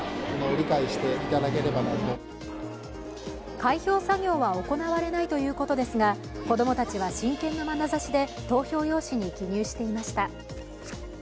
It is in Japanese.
開票作業は行われないということですが子供たちは真剣な眼差しで投票用紙に記入していました。